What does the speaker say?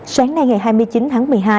sáng nay ngày hai mươi chín tháng một mươi hai